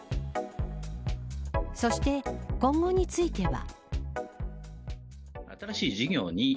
そして、今後については。